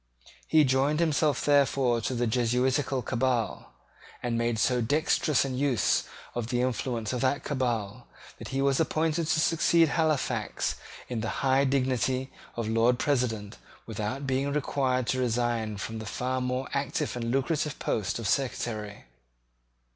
He joined himself therefore to the Jesuitical cabal, and made so dexterous an use of the influence of that cabal that he was appointed to succeed Halifax in the high dignity of Lord President without being required to resign the far more active and lucrative post of Secretary.